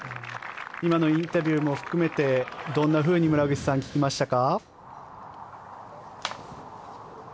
今のインタビューも含めてどんなふうに聞きましたか？